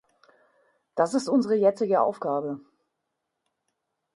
Das ist unsere jetzige Aufgabe.